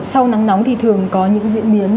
sau nắng nóng thì thường có những diễn biến